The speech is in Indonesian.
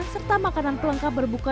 serta makanan pelengkap berbuka